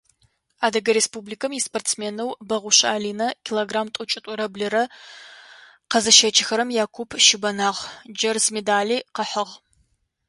Адыгэ Республикэм испортсменэу Бэгъушъэ Алинэ килограмм тӀокӀитӀурэ блырэ къэзыщэчыхэрэм якуп щыбэнагъ, джэрз медали къыхьыгъ.